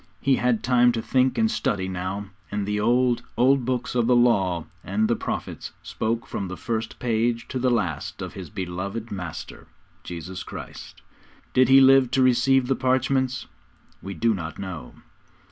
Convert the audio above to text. He had time to think and study now; and the old, old Books of the Law and the Prophets spoke from the first page to the last of his beloved Master, Jesus Christ. Did he live to receive the parchments? We do not know.